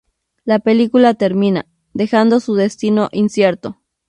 La película termina, dejando su destino incierto.